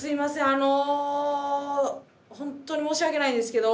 あのほんとに申し訳ないんですけど。